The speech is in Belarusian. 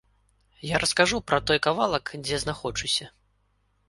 Я раскажу пра той кавалак, дзе знаходжуся.